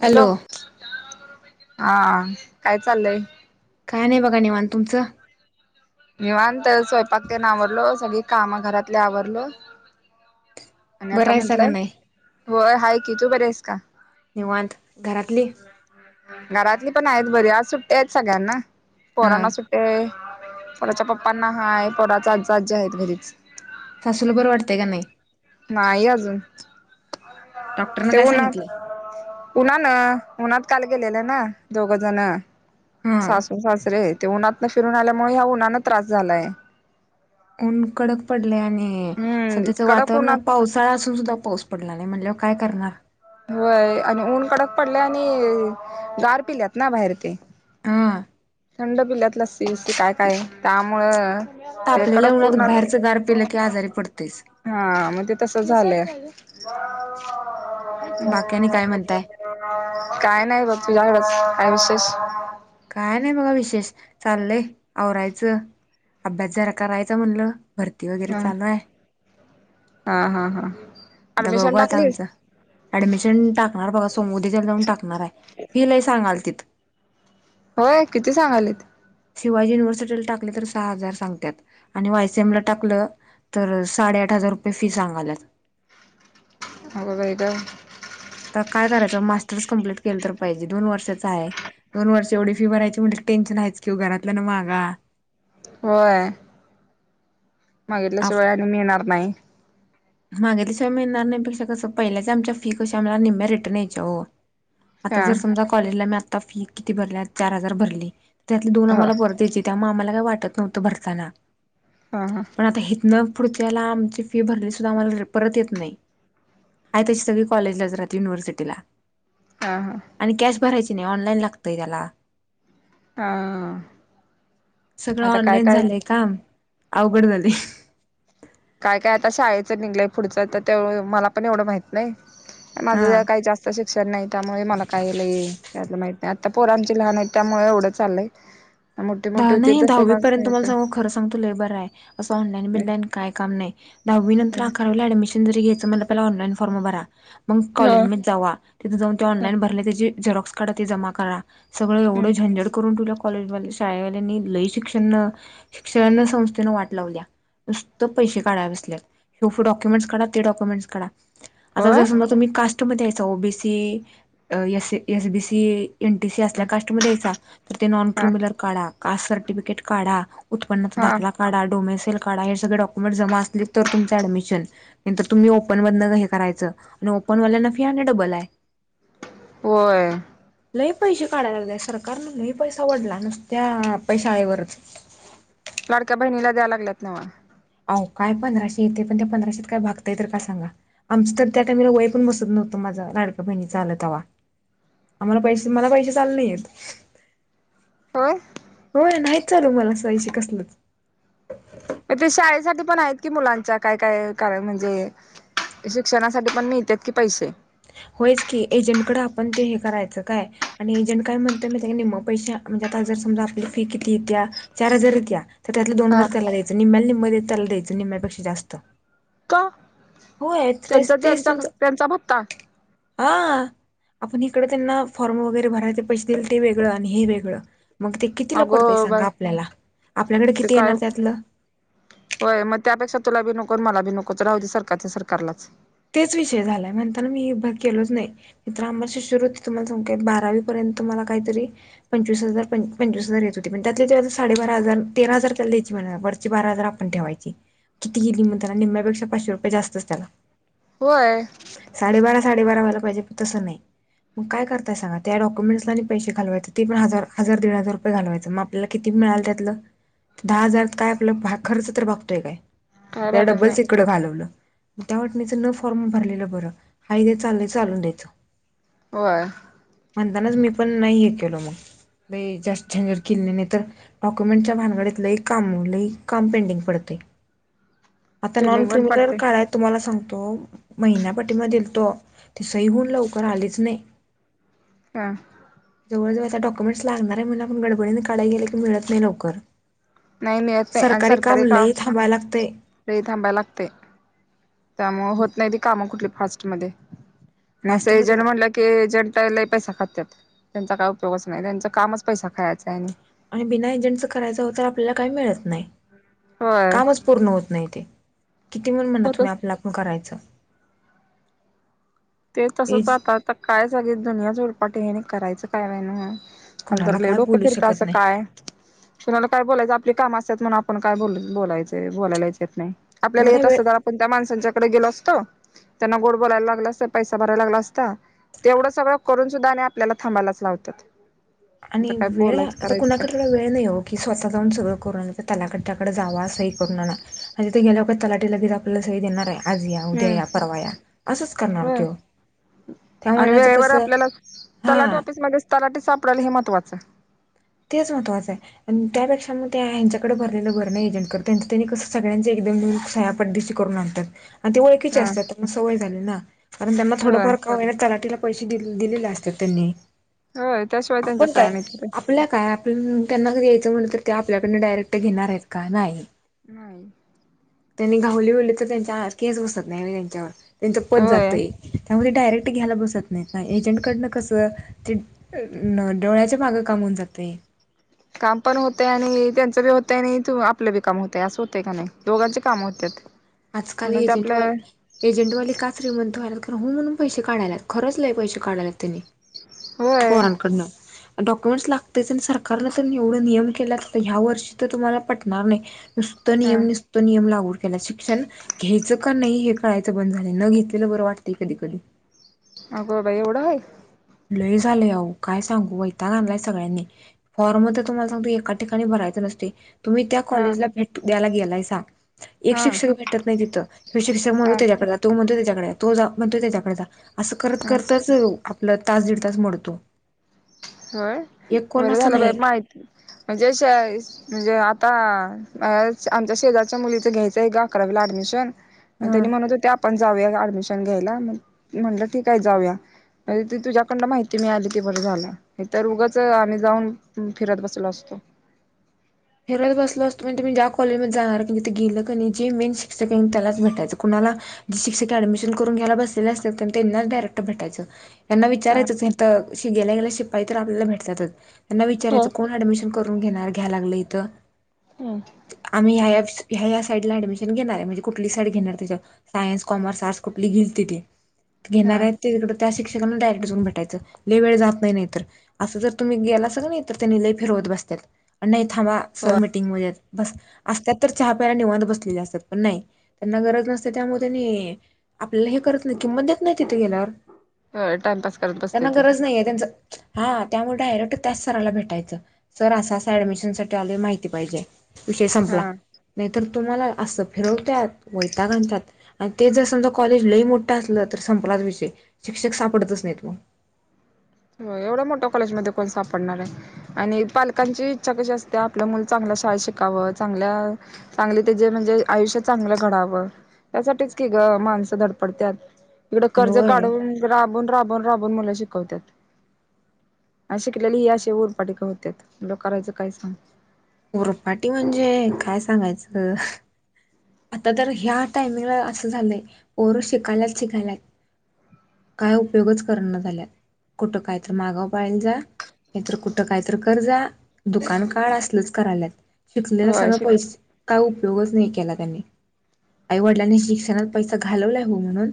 Hello हा काय चाललंय. काय नाही बघा निवांत तुमचं कामा घरातले आवरलं. आणि बरं आता आहेसा का म्हटलंय नाही व हाय की तू बरे आहेस का निवांत घरातली घरातली पण आहे. बर आज सुट्ट्या आहेत सगळ्यांना हा पोरांना सुट्टी आहे व्हय पराच्या पप्पांना हाय पोराचे आजा आजी आहेत घरीच सासूला बरं वाटतंय का नाही. नाही अजून डॉक्टरन ते काय उन्हात सांगितलंय उनान उनत काल गेलेलं ना दोघं जण हा सासू सासरे आहेत. ते उन्हातन फिरून आल्यामुळे ह्या उन्हानं त्रास झालाय. ऊन कडक पडले आणि हम्म सध्याचं कडक वातावरण उन्हात पावसाळा असून सुद्धा पाऊस पडला नाही म्हणजे काय करणार. होय आणि ऊन कडक पडले आणि गार पिल्यात ना बाहेर ते हा थंड पिल्ल्यात लस्सी बस्सी काय काय त्यामुळं ते तापलेल्या कडक ऊन उन बाहेरचं गार पेलं की आजारी पडतेस. तस झालंय बाकी आणि काय म्हणताय काय नाही बा तुझ्याकडच आणि विशेष काय नाही बघा विशेष चाललय आवरायचं अभ्यास जरा करायचा म्हणलं. भरती वगैरे हम चालू आहे हा हा हा आता ऍडमिशन बघू आता टाकलीस आमचं ऍडमिशन टाक नाय रे बाबा सोम उद्याच्याला जाऊन टाक नार आहे फि लय सांगाल तिल. होय किती सांगाले त? शिवाजी युनिव्हर्सिटीला टाकले तर सहा हजार सांगत्यात आणि वायसीएम ला टाकलं तर साडेआठ हजार रुपये फी सांगाल्यात. अगं बाई ग. तर काय करायचं मास्टर्स कंप्लीट केलं तर पाहिजे दोन वर्षाच आहे दोन वर्ष एवढी फी भरायची म्हटल टेन्शन आहेच कि घरातल्या ना मागा होय. मागितल्याशिवाय आणि मिळणार नाही. मागितल्याशिवाय मिळणार नाही पेक्षा कसं पहिल्याच आमच्या फी कशा आम्हाला निम्म्या रिटर्न यायच्या हो. आता हा जर समजा कॉलेजला मॅप फी किती भरल्या चार हजार भरली. त्यातली दोन हो आम्हाला हा परत यायची त्यामुळ आम्हाला काही वाटत नव्हत भरताना. हा हा पण आता हीतन पुढच्याला आमची फी भरली सुद्धा आम्हाला परत येत नाही आहे तशी सगळी कॉलेजलाच राहाते युनिव्हर्सिटीला. हा हा आणि कॅश भरायची नाय ऑनलाईन लागतय त्याला हा सगळं आता काय ऑनलाइन काय झालंय काम अवघड झालं [inaudible] काय काय आता शाळेचं निगलंय पुढचं तर ते मला पण एवढं माहित नाय. हा. माझं काय जास्त शिक्षण नाय त्यामुळे मला काय लई त्यातलं माहित ते आता पोर आमची लहान आहेत त्यामुळे एवढं चाललंय. मोठी दहा मोठी होती नाही तसे दहावी मग पर्यंत तुम्हाला सांगू खरं सांगतो लई बर आहे असं ऑनलाईन बिनलाईन काय काम नाय. दहावी नंतर अकरावीला ऍडमिशन जरी घयायच म्हणलं पहिला ऑनलाइन फार्म भरा मग कॉलेज हम्म मध्ये जावा तिथे जाऊन ते ऑनलाईन भरले त्याची झेरॉक्स काढा ती जमा करा. सगळं एवढं झंझट करून ठेवलिया कॉलेजवाले शाळेवाल्यानी लई शिक्षण शिक्षण संस्थेनं वाट लावल्या नुसत पैसे काढाया बसल्यात यो डॉक्युमेंट्स काढा त्यो डॉक्युमेंट्स काढा. आता जर होय. समजा तुम्ही कास्ट ते म द्यायचा O B C S S B C NTC असल्या कास्टमध्ये हायसा तर ते नॉन हा क्रिमिनल कास्ट सर्टिफिकीट काढा. उत्पन्नाचा हा दाखला काढा डोमिसिल काढा हे सगळे डॉक्युमेंट जमा असले तर तुमच ऍडमिशन नाहीतर तुम्ही ओपन मधनं हे करायचं ओपन वाल्यांना फी आणि डबल हाय. होय. लय पैसे काढायला लागलय सरकारन लही पैसा वडलाय नु त्याल्या पै शाळेवरच लाडक्या बहिणीला द्याया लागल्यात नव्ह. आय काय पंधराशे येते पण त्या पंधराशे काय भागतय तर काय सांगा आमचं तर त्या टायमांला वय पण बसत नव्हतं माझा लाडका्या बहिणीचा आलंत तवा आम्हाला पैसे मला पैसेच आलं नायेत. होय. होय नाही. [unintelligible] म ते शाळेसाठी पण आहेत कि मुलांच्या काय काय कारण म्हणजे शिक्षणासाठी पण मिळत्यात की पैसे. होयच की एजंटकडे आपण ते हे करायचं काय आणि एजंट काय म्हणतो म त्या निम्मं पैश म्हणजे आता जर समजा आपली फी कितीेत्या चार हजार इत्या तर त्यातलं दो हा हजार त्याला द्यायचं निम्म्याल्या निम मध्ये त्याला द्यायंच निम्यापेक्षा जास्त का? होय तेच त्यांचा तेच त्यांचा त्यांचं त्यांचा भत्ता हा आपण इकडं त्यांना फॉर्म वगैरे भराय ते पैसे दिले ते वेगळं आणि हे वेगळं. मग ते कितीला अगो पडतय सांगा बाय आपल्याला आपल्याकडे ते किती येणार काय त्यातलं होय मग त्यापेक्षा तुला बी नको मला बी नकोच रावदे सरकारच सरकारलाच. तेच विषय झालाय म्हणताना मी बघ केलोच नाही मी तर आम्हाला शिशुवृत्ती तुम्हाला सांगु काय बारावी पर्यंत मला काहीतरी पंचवीस हजार पंचवीस हजार येत होती पण त्यातले तेव्हा साडेबारा हजार तेरा हजार त्याला द्यायची म्हणा वरची बारा हजार आपण ठेवायची किती गेली म्हण त्याना निम्म्यापेक्षा पाचशे रुपये जास्तच त्याला होय. साडेबारा साडेबारा व्हायला पाहिजे पण तसं नाही मग काय करताय सांग त्या डक्युमेंट्सला आणि पैसे घालवायच ते पण हजार हजार दीड हजार रुपये घालवायचं मग आपल्याला किती मिळाल त्यातलं दहा हजार काय आपलं खर्च तर बघतोय काय? काय त्याला भागत नाही डब्बलस इकडं घालवलं. [unintelligible] न फॉर्म भरलेलं बरं हाय ते चालय चालू द्यायचं. होय म्हणतानाच मी पण नाही. जास्तर झनझत किली नाही तर डॉक्युमेंटच्या भानगडीत लई काम लई काम पेंडिंग पडतय. आता नॉन बिल्डिंग पण क्रिमिनल पडते काढाय तुम्हाला तो महिना पाठीमागे दिलतो ती सही होऊन लवकर आलीच नाही. का? डक्युमेंट्स लागणार आहे म आपण गडबडीने काढय गेले की मिळत नाही लवकर. नाही मिळत नाही आणि सरकारी सरकारे काम लई थांबायला लागतंय ते थांबायला लागतय. त्यामुळे होत नाही ती काम. फास्ट मध्ये. नाही असं फास्टमध्ये एजंट म्हणलं की ए जंटला पैसा खात्यात त्यांचा काय उपयोगच नाही त्यांचं कामच पैसा खायाच आणि आणि बिना एजंटचं करायचं होत तर आपल्याला काही मिळत नाही. होय कामच पूर्ण होत नाही ते किती पण म्हणा तुम्ही होतच आपलं आपलं करायचं. ते तसच एज आता. आता काय सगळी दुनियाच उलपाटी आहे आणि करायचं काय होईना. नंतर कोणाला लई काय डोकं बोलू फिरत शकत असं नाही काय कुणाला काय बोलायचं आपली काम अस तेच म्हणं आपण काय बोल बोलायचंय बोलायलाच येत नाही. आपल्याला एवढा येत वेळ असतं, तर आपण त्या माणसांच्याकडे गेलो असतो. त्यांना गोड बोलायला लागलं असंल. पैसा भरायला लागला असता, तेवढं सगळं करून सुद्धा आणि आपल्याला थांबायलाच लावत्यात. आणि वेळ आता कुणाकडं तेवढा वेळ नाही हो, की स्वतः जाऊन सगळं करून तलाकट्ट्या जावा सही करून आणा आणि तिथ गेल्यावर तलाटी लगेच आपल्याला सही देणार आहे? आज या, उद्या हम्म या, परवा या असंच करणार होय त्यो. त्या आणि महिन्याचं वेळेवर कसं आपल्याला हा डल हे महत्वाचं. तेच महत्त्वाचं आहे आणि त्यापेक्षा मग ते ह्यांच्याकडे भरल्यालं बरं ना. एजंटकडं त्यांच त्यांनी कस सगळ्यांच एकदम नेऊन सह्या पटदिशी करून आणत्यात. अन ती ओळखीची हा असतात. त्यांना सवय झाली ना, कारण त्यांना होय थोडंफार का होईना तलाठीला पैसे दि दिलेले असतात त्यांनी. होय त्याशिवाय त्यांच्या सह्या निघत्यात्या. आपण त्यांना जरी यायचं म्हटलं तरी ते आपल्याकडन डायरेक्ट घेणार आहेत का? नाही. नाही. त्यांनी घाऊली बीवली तर त्यांच्यावर केस बसत नाही वय त्यांच्यावर. त्यांचं पद होय जातंय. त्यामध्ये डायरेक्ट घ्यायला बसत नाही ना. एजंटकडनं कसं ते डोळ्याच्या मागं काम होऊन जातं. ते. काम पण होतंय आणि त्यांचं बी होतंय आणि आपलं बी काम होतंय. असं होतंय का नाही. दोघांचबी कामं होत्यात. आजकाल म्हणून ते आपलं एजंटवाली एजंटवाली का श्रीमंत व्हायल्यात? तर हुं म्हणून पैसे काढल्यात, खरंच लय पैसे काढल्यात त्यांनी होय पोरांकडनं. डॉक्युमेंट्स लागतंयच आणि सरकारनं तर एवढं नियम केल्यात, तर ह्या वर्षी तर तुम्हाला पटणार नाही. नुस्त हा नियम नुस्त नियम लागू केल्यात शिक् क्षण घ्यायचं का पण नाही हे कळायचं बंद झालंय. न घेतलेलं बरं वाटतंय कधी कधी. अगं बाई एवढं हाय? लय झालं अहो, काय सांगू वैताग आणलाय सगळ्यांनी. फॉर्म तर तुम्हाला सांगतो एका ठिकाणी भरायचं नसतंय. तुम्ही त्या हा कॉलेजला भेट द्याला गेल लय सांग एक हा शिक्षक भेटत नाही तिथं हे शिक्षक म्हणून हा त्याच्याकडे जातो. तो म्हणतो त्याच्याकडे तो जा म्हण तो त्याच्याकडे जा. असं करत हा करतच तास दीड तास मोडतो होय एक कोण बरं असं झालं बाई नाही माहिती म्हणजे म्हणजे आता आमच्या शेजारच्या मुलीचं घ्यायचं आहे ग अकरावीला ऍडमिशन आणि हा त्यांनी म्हणत होते आपण जाऊया एडमिशन घ्यायला म्हटलं ठीक जाऊया तुझ्याकडं माहिती मिळाली ती बरं झालं. नाही तर उगच आम्ही जाऊन फिरत बसलो असतो. फिरत बसलो असतो म्हणजे ज्या कॉलेज मध्ये जाणार की तिथे गेलं की जे मेन शिक्षक आहे त्यालाच भेटायं कुणाला जे शिक्षक ऍडमिशन करून घ्याला बसले असतं त्यांना डायरेक्ट भेटायचं. त्यांना हा विचारायचं तर की गेल्या गेल्या शिपाई तर आपल्याला भेटतात. ना हो विचारायचं कोण ऍडमिशन करून घेणार घ्याय लागलाय. आम्ही हया साईड ला ऍडमिशन घेणार म्हणजे कुठली साईड घेणार त्याच्या सायन्स कॉमर्स आर्टस कुठली घेईल ती ती हा घेणार आहेत ते तिकडे त्या शिक्षकना डायरेक्ट जाऊन भटायचं लई वेळ जात नाही तर असं जर तुम्ही गेलासा का नाही तर त्यांनी लई फिरवत बसतात आणि नाही थांब सर हो मिटिंग मध्ये बस असतत तर चहा प्यायला निवात बसलेले असतात पण नाही त्यांना गरज नसते त्यामुळे त्यांनी आपल्याला हे करत नाही किंमत देत नाही तिथे गेल्यावर ह टाईमपास करत बसते त्यांना ती गरज नाहीये त्यांचं हा त्यामुळे डायरेक्ट त्याच सराला भेटायचं सर असा असं ऍडमिशनसाठी ले माहिती पाहिजे विषय संपला हा नाहीतर तुम्हाला असं फिरवतात वैताग आणतात आणि ते जर समजा कॉलेज लई मोठा असलं तर संपलाच विषय शिक्षक सापडतच नाहीत मग एवढं मोठ्या कॉलेज मध्ये कोण सापडणार आहे आणि पालकांची इच्छा कशी असते आपलं मुल चांगल्या शाळा शिकावं चांगल्या चांगले त्याचेे म्हणजे आयुष्य चांगलं घडावं त्यासाठीच की ग माणसं धडपडतात इकडें कर्ज होय काढून राबून राबून राबून मुलं शिकवता. अ शिकलेली ही अे ऊरपाट का होत लो करायचं काय सांग? उरपाटी म्हणजे काय सांगायचं आता तर ह्या टायमिंगला असं झालंय पोर शिकायलाच शिकायलात काय उपयोगच करण ना झाल्यात कुठं कायत मागंव पाळला जा नाहीतर कुठं कायतर कर जा दुकान काढ असलच. करालात. शिकले होय सगळे शिक पैस काय उपयोग उद्योगच नाही केला त्यांनी आईवडिलांनी शिक्षणात पैसा घालवलाय हो म्हणून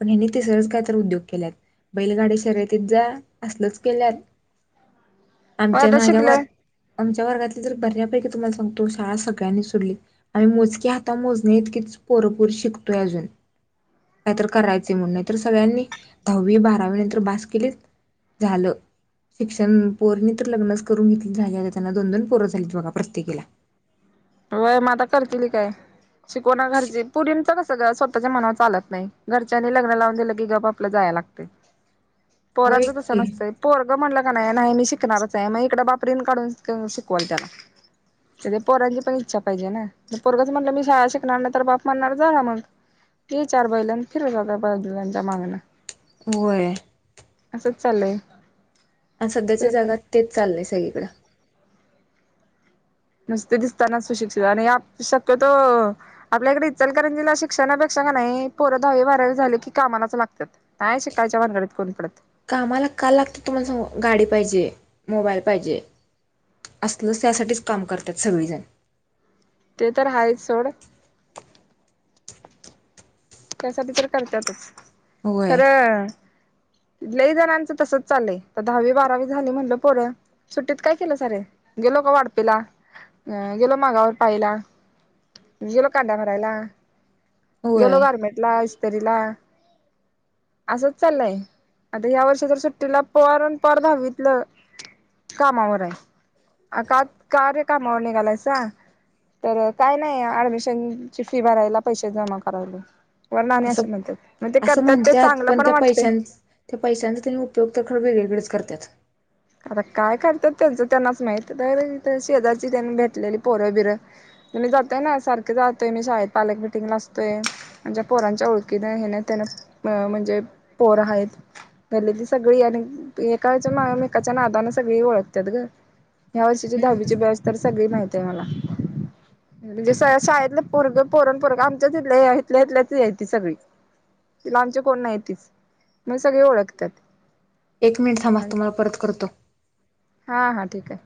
पण हेनी तिसरच काय तर उद्योग केल्यात बैलगाडी शर्यतीत जा असलच केल्यात. होय आमच्या आता माझ्या व शिकलंय आमच्या वर्गात बऱ्यापैकी तुम्हाला सांगतो शाळा सगळ्यांनी सोडली आम्ही मोजके हाता मोजणी इतकीच पोरपोरी शिकतोय अजून काहीतरी करायचे म्हणून नाही तर सगळ्यांनी दहावी बारावी नंतर बास केली झालं शिक्षण पोरणी तर लग्नचं करून घेतली झाली त्यांना दोन दोन पोर हायत प्रत्येकीला वय मता करतील काय? शिकोणा घरजी पोरीचं तसं सगळं स्वतःच्या मनावर चालत नाही घरच्यांनी लग्न लावून दिलं की ग आपलं जायला लागते. होय पोरांच तसं की. नसतय पोरगं म्हणल. नाही मी शिकणारच आहे मग इक बाप रिण काढून शिकवा त्याला पोरा- पण इच्छा पाहिजे ना पोरगच म्हटलं मी शाळा शिकणार ना तर बाप म्हणणार जा मग ते चार बैल फिरत जातात बाजूच्या मागण. होय असंच चाललंय आणि सध्याच्या दुसरं काय जगात तेच चाललंय स- कीकड नुसते दिसताना सुशिक्षित आणि शक्यतो आपल्याकडे इचलकरंजीला शिक्षणापेक्षा नाही पोरं दहावी बारावी झाले की कामालाच लागत्यात नाही शिकायच्या बामगडीत कोण पडत नाही. कामाला का लागतात तुम्हाला सागू गाडी पाहिजे मोबाईल पाहिजे. असलच त्यासाठीच काम करतात सगळीजण ते तर आहेच सोड. त्यासाठी तर करत्यातच. होय खरं लय जणांचं तसच चालय तर दहावी बारावी झाली म्हणल पोरं सुट्टीत काय केलं सारे गेलो का वाडपिला गेलो मागावर पाळीला गेलो कांड्या भरायला. होय गेलो गारमेंटला इस्तरीला असच चाललंय आता या वर्षी तर सुट्टीला पोर आणि पोर दाहवीतल कामावर आहे का कारे कामावर निघालायसा तर काय नाही ऍडमिशनची फी भरायला पैसे जमा करा लोय. अस असं म्हणतात चांगलं पण त्या वाटते पैशां त्या पैशांचा त्यांनी उपयोग तर खरं वेगळीकडच. करत्यात. आता काय करतात त्याचं त्यांनाच माहित शेजारची त्यांनी भेटलेली पोरं बिरं मी जातोय ना सारखे जातोय मी शाळेत पालक मिटिंगला असतोय म्हणच्या पोरांच्या ओळखीने हे ना त्यांन म्हणजे पोरं आहेत गल्लीतली सगळी आणि एका यांच्या मागे. एकाच्या नादान सगळी ओळखतात ग. या वर्षीची हम्म दहावीची बॅच तर सगळी माहीती. म म्हणजे शाळेतले पोरग पोरण पोरग आमच्याच इथ इथल्या इथल्याच या त सगळी तिला आमचे कोण नाहीतीच मग सगळी ओळखतात. एक मिनिट थांब तुम्हाला परत करतो करतो हा हा ठीक आहे